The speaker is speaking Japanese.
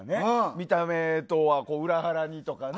見た目とは裏腹にとかね。